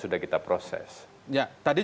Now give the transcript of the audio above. sudah kita proses ya tadi